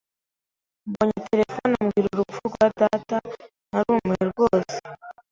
Mbonye terefone ambwira urupfu rwa data, narumiwe rwose.